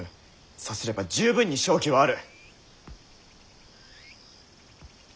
さすれば十分に勝機はある！